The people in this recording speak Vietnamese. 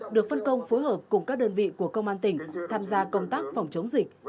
được phân công phối hợp cùng các đơn vị của công an tỉnh tham gia công tác phòng chống dịch